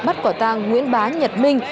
bắt quả tàng nguyễn bá nhật minh